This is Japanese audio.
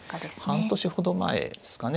半年ほど前ですかね。